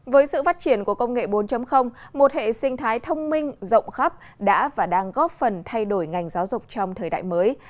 với sự phát triển của công nghệ bốn một hệ sinh thái thông minh rộng khắp đã và đang góp phần thay đổi ngành giáo dục trong thời đại mới